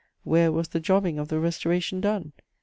Where was the jobbing of the Restoration done?